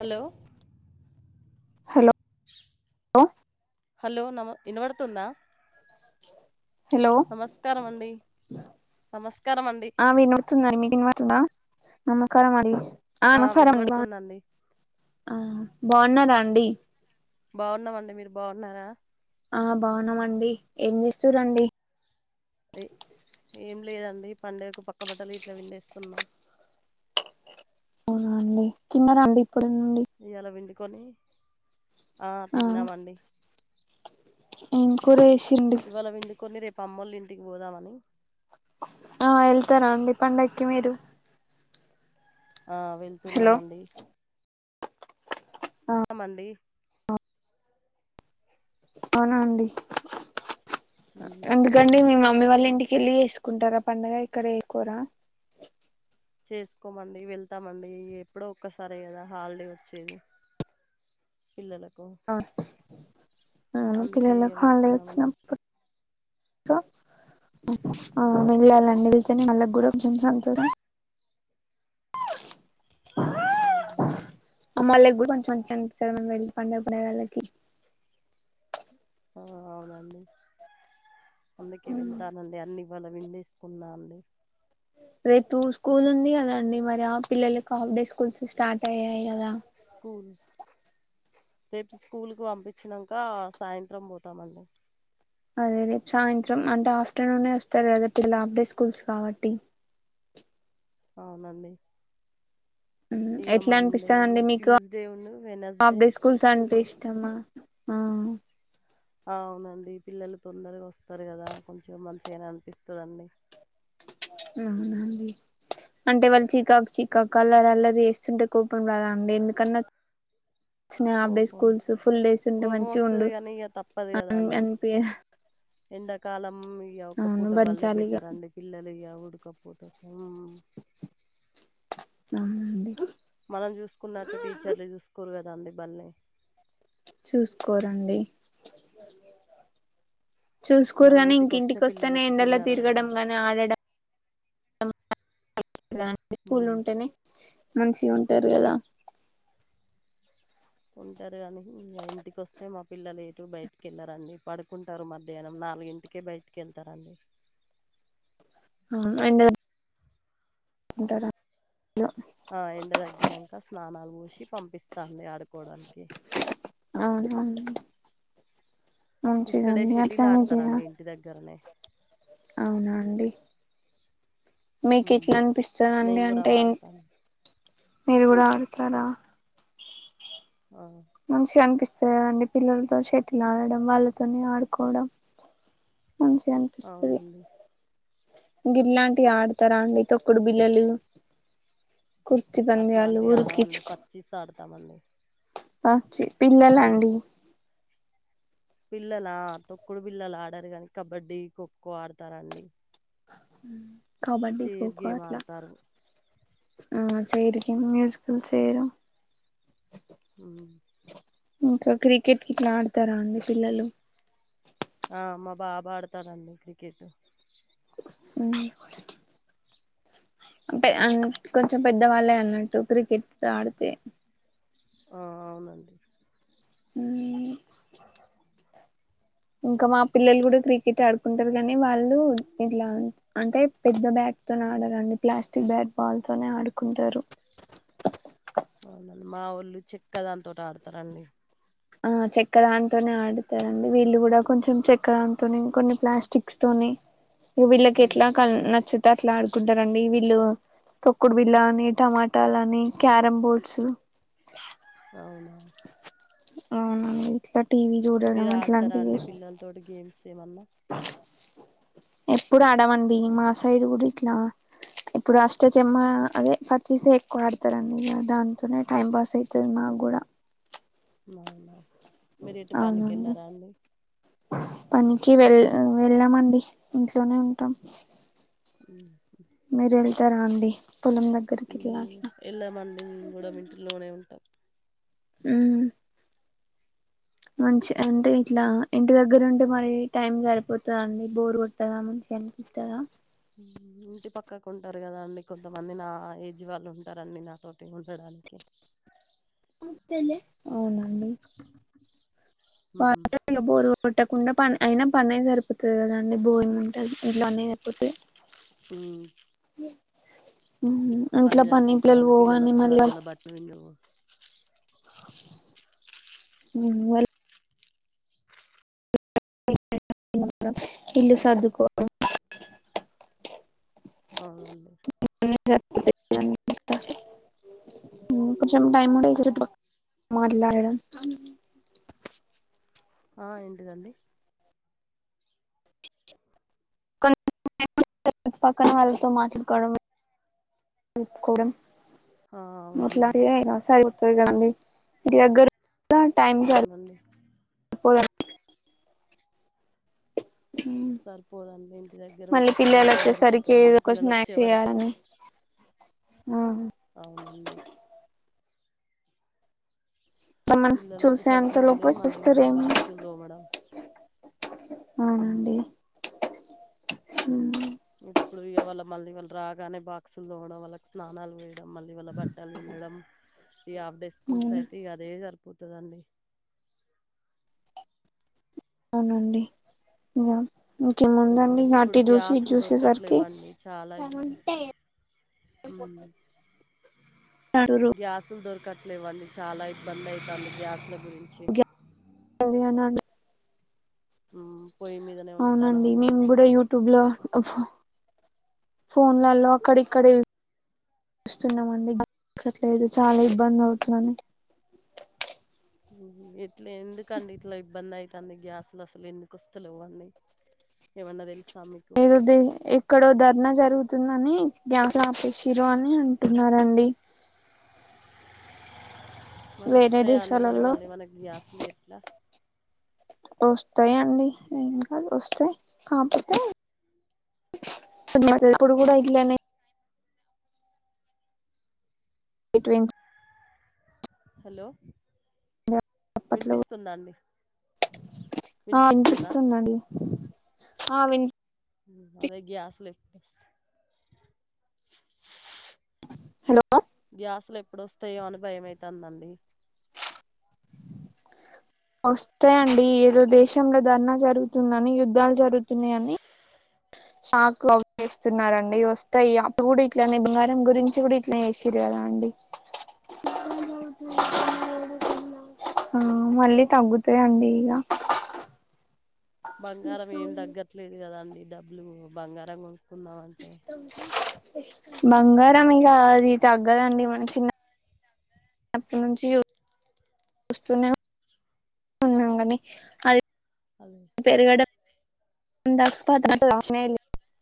Hello hello లో hello నమ ఇనపడుతుందా హలో అండి నమస్కారం అండి ఆ వినతుందం మీకు వినతుందా నమకార మడి ఆ నమసర మండీ ఆ బాగున్నారా అండి బాగున్నామండి మీరు బాగున్నారా ఆ బాగునమండి ఏం చేస్తురండి ఏ ఏం లేదండి పండగకు పక్క బట్టలు ఇట్లా విండేస్తున్నాం ఉ చిన్న రండి కొండి కొని ఆ తిన్నామండి ఇంకొర ఎస్ ఇవాళ విండి కొన్ని రేపు అమ్మోలింటికి పోదామని ఆ వెళ్తారా అండి పండగకి మీరు ఆ హలో వెళ్తున్నామండి అమండి అవునా అండి ఎందుకండి మీ మమ్మీ వాళ్ళ ఇంటికెళ్ళి ఎస్ కుంటారా పండుగ ఇక్కడ ఏకొరా చేసుకోమండి వెళ్తామండి ఇగ ఎప్పుడో ఒక్కసారే కదా హాలిడే వచ్చేది పిల్లలకు ఆ అవును అందుకే పిల్లలకు ఇక హల్ డే వెళ్తున్నామండి వచ్చినప్పుడు లో ఆవును ఉమ్. మిగిలాలండి తిని మళ్ల గొడవకు జింజతరా అవునండి అమ్ వాళకి కూడా కొంచెం మంచిగనిపిస్తది మనం వెళ్లి పండగ [unintelligible] వాళ్ళకి అవునండి అందుకే వెళతా అండి అన్ని ఎవన్న విండేసుకున్నా అండీ రేపు స్కూల్ ఉంది కదండి మరి ఆ పిల్లలకి హాఫ్ డే స్కూల్స్ స్టార్ట్ అయ్యాయి కదా స్కూల్ రేపు స్కూల్కి పంపించినంక సాయంత్రం పోతామండి అదే రేపు సాయంత్రం అంటే ఆఫ్టర్నూన్ వస్తారు కదా పిల్ల ఆఫ్ డే స్కూల్స్ కాబట్టి అవునండి ఇక ఎట్లా మండే అనిపిస్తదండి మీకు ట్యూస్డే ఉను వెనస్డే కమా ఊ అవునండి పిల్లలు తొందరగా వస్తారు కదా కొంచెం మంచిగానా అనిపిస్తుందండి ఊమ్ అవునండి అంటే వాళ్ళు చికాకు చికాకు అల్లరి అల్లరి వేస్తుంటే కోపం రాద అండి ఎందుకన్నా వచ్చ హాఫ్ డే కోపం స్కూల్స్ ఫుల్ డేస్ ఉంటే కోపం వస్తుంది మంచిగుండు కానీ ఇక తప్పదు అనిపియదా కాల ఉమ్ ఇక ఒక్క పూట బల్లే పెట్టారండి పిల్లలు ఇక గుడ్ కప్పుడుత ఫ అ అంది రంది బళ్ళలే చూసుకోరండి మనం చూసుకోరుగాని ఇంటికి వస్తే ఇంకింటికి వస్తేనే పిల్లలకు ఎండలో తిన్నారో తిరగడం గాని ఆడడం ఇలాంటి స్కూల్ ఉంటేనే మంచిగ ఉంటారు కదా ఉంటారు కానీ ఇంకా ఇంటికి వస్తే మా పిల్లలు ఎటు బయటికి వెళ్ళారంండి పడుకుంటారు మధ్యాహ్నం నాలుగింటికే బయటికి వెళ్తారండి అంట ఉంటారా ఆ ఎండ తగ్గినాక స్నానాలు పోసి పంపిస్తుంది ఆడుకోవడానికి అవును అవును ఇక్కడే షెటిలు ఆడతారండి ఇంటి దగ్గరనే అవునా అండి మీకు ఉమ్. ఇట్లా అనిపిస్తుందండి నేను కూడా అంటే ఏంటి ఆడతాను మీరు కూడా ఆడుతారా మంచిగా అనిపిస్త స అండి పిల్లలతో షటిల్ ఆడడం వాళ్ళతోనే ఆడుకోవడం మంచిగా అనిపిస్తుంది అవునండి గిట్లాంటివి ఆడతారా అండి తొక్కుడు బిల్లలు కుర్చీ పంద్యాలు అట్లాంటివి ఉరికిచ్చు ఆడమండి పచ్చిస్ ఆడతామండి పచ్చి పిల్లలండి పిల్లల తొకుడు పిల్లలు ఆడారు కానీ కబడ్డీ, ఖోఖో ఆడతారండి హ కబడ్డీ, చైర్ ఖోఖో గేమ్ అట్లా ఆడతారు ఆ చేర్ గేమ్ మ్యూజికల్ చేర్ ఆ ఇంకా క్రికెట్ ఇట్లా ఆడతారా అండి పిల్లలు ఆ అమ్మ బాబు ఆడతారండి క్రికెట్ కొంచెం పెద్దవాళ్ళే అన్నట్టు క్రికెట్ ఆడితే అవునండి అ ఇంకా మా పిల్లలు కూడా క్రికెట్ ఆడుకుంటారు గానీ వాళ్ళు ఇట్లా అంటే పెద్ద బ్యాట్ తోనే ఆడరండి ప్లాస్టిక్ బ్యాట్ బాల్ తోనే ఆడుకుంటారు కుంటారు అవునండి మా వాళ్ళు చెక్క దాని తోటి ఆడతారండి ఆ చెక్క దాంతోనే ఆడతారండి వీళ్ళు కూడా కొంచెం చెక్క దాంతోని కొన్ని ప్లాస్టిక్స్ తోని ఇక వీళ్ళకి మ్మ్ ఎట్లా క నచ్చదు అట్లా ఆడుకుంటారండి వీళ్ళు తొక్కుడు బిల్ల అని టమాటాలు అని క్యారం బోర్డ్స్ అవునా అవునండి ఇట్లా టీవీ చూడడం మీరు ఆడతారా అట్లాంటివి అండి చేస్తారు పిల్లలతోటి గేమ్స్ ఏమన్నా ఎప్పుడు ఆడమండి మా సైడ్ కూడా ఇట్లా ఇప్పుడు అష్టచమ అదే పర్చిసే ఎక్కువ ఆడతారండి ఇక దాంతోనే టైం పాస్ అవుతది మాకు కూడా అవునా మీరు ఇటు పనికి అవునండి వెళ్ళారా అండి పనికి వెళ్ల వెళ్ళమండి ఇంట్లోనే ఉంటాం మీరె ల్ తరండి ఎల్లమండి మేం కూడా ఇంటిలోనే ఉంటాం అ మంచి అంటే ఇట్లా ఇంటి దగ్గరంటే మరి టైం సరిపోతదాండి బోర్ కొట్ ఉంటదా మంచిగ అనిపిస్తదా ఉంది కదండి కొంతమంది నా ఏజ్ వాళ్ళు ఉంటారండి నాతోటి ఉండడానికి ఇ [unintelligible] అవునండి [unintelligible] వా మ్మ్ బోరుకొట్టకుండ పని అయినా పనే సరిపోతది కదా అండి బోరింగ్ ఉంటది ఇంట్లో అన్ని అయిపోతే ఉ ఉహు పనే ఇంట్లో పని సరిపోతదండి పిల్లలు పోగానే వచ్చే మళ్ళీ వరకు వాళ్ళ బట్టలు పిండుడు వాళ్ళ ఇల్లు సర్దుకోవడం అవునండి కొ టై మరిడం [unintelligible] ఆ ఏంటిదండి [unintelligible] చుట్టు పక్కన వాళ్ళతో మాట్లాడుకోవడం కలుపుకోవడం ఆ మట్లా అవునండి స [unintelligible] గండి ఇ అగర [unintelligible] ఎట్ల టైమ్ అవునండి సరిపోదండి సరిపోదండి ఇంటి దగ్గర మళ్ళీ ఉంటే టైం పిల్లలు యాడ వచ్చేసరికి సరిపోతాదండి ఏదో ఒక పిల్లలు వచ్చే స్నాక్స్ వరకు చేయాలని అవునండి మనం పిల్లలు చూసే వచ్చేసరికి అంత మళ్ళీ లోపు మళ్ళీ వాళ్ళ చూస్తారేమో బాక్సులు తోమడం అవునండి అవును ఇప్పుడు ఇగ వాళ్ళ మళ్ళీ వాళ్ళు రాగానే బాక్సులు తోమడం వాళ్ళకి స్నానాలు మళ్ళీ వాళ్ళ బట్టలు పిండడం ఈ ఆఫ్ డే స్కూల్స్ అయితే ఇగా అదేగ పొతది అండి అవునండి ఇంగా ఇంకేముందండి మ్మ్ ఇప్పుడు వాటి చూసి ఇది గ్యాసులు చూసేసరికి దొరకట్లేవండి చాలా ఇబ్ అంటుర్రు గ్యాస్ లు దొర్ కట్లు ఇవ్వండి చాలా ఇబ్బంది అయితంది గ్యాస్ లు గుంచి ఉంది అని అన్ మీదనే అవునండి వండుతానమండి మేము కూడా యూట్యూబ్ లో వస్సమ్ ఫోన్లలో అక్కడ ఇక్కడ ఇట్లా ఎందుకండి ఇట్లా ఇబ్బంది అయితాంది గ్యాస్ లు అసలు ఎందుకు వస్తలేవండి ఏమన్నా తెలుసా మీకు ఏదో ఎక్కడో ధర్నా జరుగుతుందని గ్యాస్ ఆపేసారని అంటున్నారండి మరి వేరే వస్తాయా అండి మరి దేశాలలో మళ్ళీ మనకి గ్యాసులు ఎట్లా వస్తాయండి ఏం కాదు వస్తే కాకపోతే అక్కడకూడ ఇలనే బిట్వీన్ హలో అప్పట్లో వినిపిస్తుందండి ఆ వినిపిస్తుంది అండి ఆ విని ఉ అదే గ్యాస్లే హలో గ్యాస్ లు ఎప్పుడు వస్తాయో అని భయమైతాంది అండి వస్తాయి అండి ఏదో దేశంలో ధర్నా జరుగుతుందని యుద్ధాలు జరుగుతున్నాయి అని సాకు అవి వస్తున్నారండి వస్తాయి అప్పుడు కూడా ఇట్లనే బంగారం గురించి కూడా ఇట్లానే చేసిర్రు కదా అండి అవునవును మ్మ్ మళ్ళీ తగ్గుతాయండి ఇంగా బంగారం ఏం తగ్గట్లేదు కదాండి డబ్బులు బంగారం కొను బంగారం కాదు ఇ తగ్గదండి మన చిన్న అప్పట్నునుంచి వస్తునే అంగ అంగనే అద్ హలో ఉంద పొద్దగాని స్నేల్లి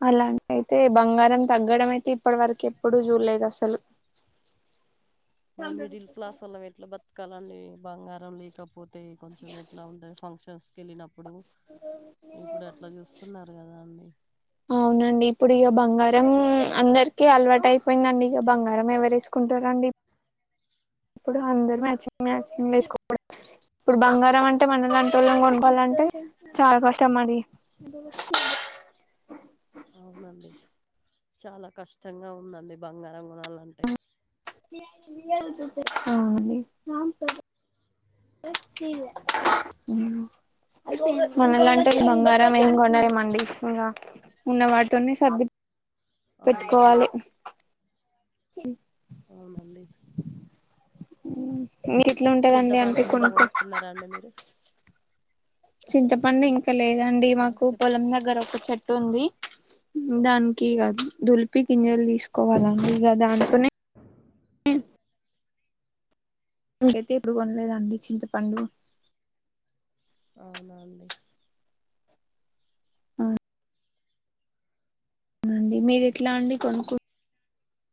అలాంట్ ఆయితే బంగారం తగ్గడం అయితే ఇప్పటి వరకు ఎప్పుడూ చూడలేదు అసలు. మన మిడిల్ క్లాస్ వొల్లం ఎట్లా బత్ కాదండి బంగారం లేకపోత్ తే కొంచెం ఎట్లా ఉండద్ ఫంక్షన్స్ కేలీనమ్ ఇప్పుడు ఇప్పుడు అట్లా చూస్తున్నారు కదా అండి అవునండి ఇప్పుడు ఇగ బంగారం అందరికి అలవాటు అయిపోయిందండి, ఇక బంగారం ఎవరు వేసుకుంటారండి ఇప్ ఇప్పుడు అందరు మ్యాచింగ్ మ్యాచింగ్ వేసుకోవ ఇప్పుడు బంగారం అంటే మన లాంటి వాళ్ళం కొనపాలంటే చాలా కష్టం మరి అవునండి చాలా కష్టంగా ఉందండి బంగారం కొనాలంటే ఔని ఉ మనలాంటోళ్ళు బంగారం ఏం కొన్నాలేం అండి ఇంకా ఉన్న వాటితోనే సర్ది అవునండి పెట్టుకోవాలి క అవునండి మీకు ఎట్లా ఉంటదండి అంటే చింతపండు గిట్లా కొనుక్కో కొనుక్కున్నారా అండి మీరు చింతపండు ఇన్ లేదండి ఆ మాకు చెప్ పొలం దగ్గర ఒక చెట్ తుంది దానికి కాదు దుల్పి ఓ, గింజలు తీసుకోవాల ఇంకా దాన్ తూనే నేమ్ ఉమ్ కైతే ఎప్పుడు కొనలేదండి చింతపండు అవునా అండి ఉంది మీరు ఎట్లా అండి కొనుకు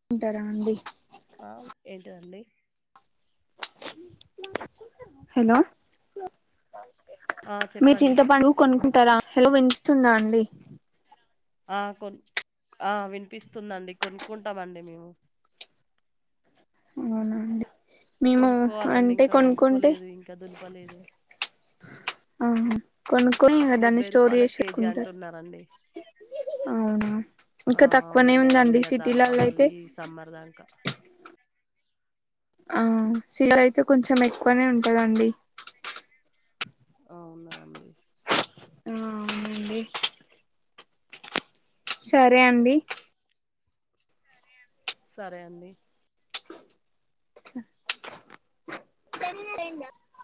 కుంటారా అండి రవ్ ఏంటండి హలో ఆ మీర్ చెప్పండి చింతపండు కొనుకుంటారా హలో వినిపిస్తుందా అండి ఆ కొన్ ఆ వినిపిస్తుందండి కొనుక్కుంటామండి మేము అవునా అండి మేము కొనుక్కోవాలండి అంటే ఇంకా కొనుక్కుంటే కొనుక్కోలేదు ఇంకా దులుపలేదు, ఆ కొనుక్కొని ఇంగ దాన్ని డెబ్బై స్టోర్ రూపాయల చేసి కేజీ పెట్టుకుంటారు అంటున్నరండి అవునా ఇంకా అవ్ తక్కువనే అవునండి వన్ ఉందండి ఇయర్ దాకా సిటీలలో అయితే మళ్ళీ సమ్మర్ దంకా ఆ సీ లో అయితే కొంచెం ఎక్కువనే ఉంటందండి. అవునా అండి ఆ అవ్ సరే అండి సరే అండి సనిరంద [unintelligible]